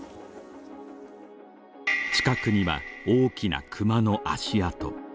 近くには大きなクマの足跡。